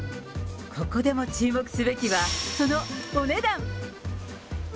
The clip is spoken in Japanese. ここでも注目すべきはそのお値段。